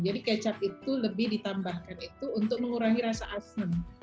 jadi kecap itu lebih ditambahkan itu untuk mengurangi rasa asam